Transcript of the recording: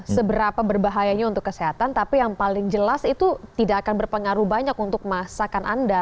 seberapa berbahayanya untuk kesehatan tapi yang paling jelas itu tidak akan berpengaruh banyak untuk masakan anda